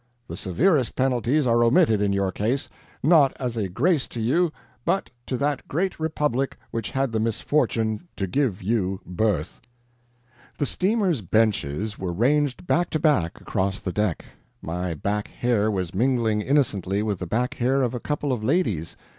The severest penalties are omitted in your case not as a grace to you, but to that great republic which had the misfortune to give you birth." The steamer's benches were ranged back to back across the deck. My back hair was mingling innocently with the back hair of a couple of ladies.